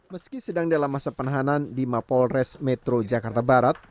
meski sedang dalam masa penahanan di mapolres metro jakarta barat